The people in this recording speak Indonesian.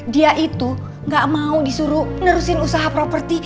dia itu gak mau disuruh nerusin usaha properti